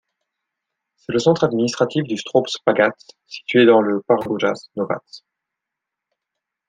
C'est le centre administratif du Straupes pagasts situé dans le Pārgaujas novads.